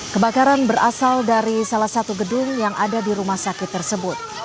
kebakaran berasal dari salah satu gedung yang ada di rumah sakit tersebut